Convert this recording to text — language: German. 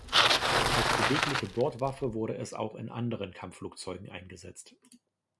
Als bewegliche Bordwaffe wurde es auch in anderen Kampfflugzeugen eingesetzt.